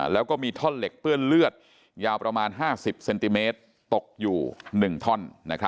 แล้วก็มีท่อนเหล็กเปื้อนเลือดยาวประมาณ๕๐เซนติเมตรตกอยู่๑ท่อน